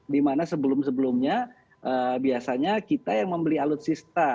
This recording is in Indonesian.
di mana sebelum sebelumnya biasanya kita yang membeli alutsista